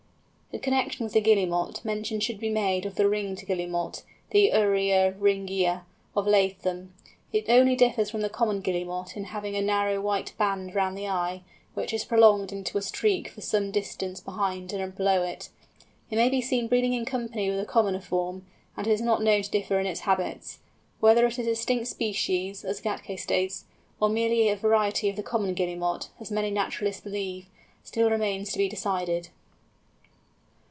In connection with the Guillemot mention should be made of the Ringed Guillemot, the Uria ringvia of Latham. It only differs from the Common Guillemot in having a narrow white band round the eye, which is prolonged into a streak for some distance behind and below it. It may be seen breeding in company with the commoner form, and is not known to differ in its habits. Whether it be a distinct species—as Gätke states—or merely a variety of the Common Guillemot, as many naturalists believe, still remains to be decided.